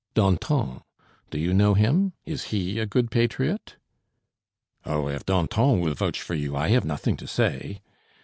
"Danton! Do you know him? Is he a good patriot?" "Oh, if Danton will vouch for you, I have nothing to say."